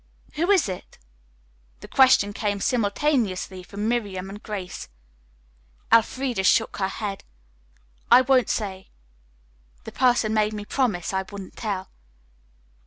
"Who is it?" The question came simultaneously from Miriam and Grace. Elfreda shook her head. "I won't say. The person made me promise I wouldn't tell."